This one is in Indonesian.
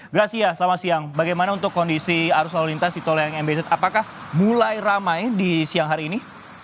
gracia selamat siang bagaimana untuk kondisi arus lalu lintas di tol layang mbz apakah mulai ramai di siang hari ini